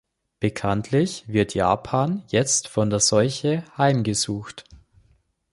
Bekanntlich wird Japan jetzt von der Seuche heimgesucht.